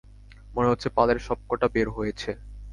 মনে হচ্ছে পালের সবকটা বের হয়েছে।